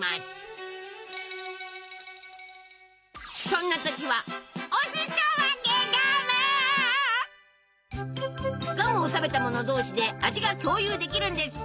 そんな時はガムを食べた者同士で味が共有できるんです！